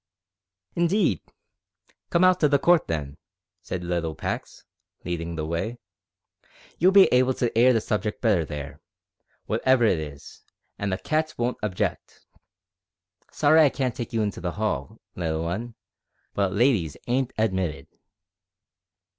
"Indeed! come out to the court then," said little Pax, leading the way; "you'll be able to air the subject better there, whatever it is, and the cats won't object. Sorry I can't take you into the hall, little 'un, but ladies ain't admitted."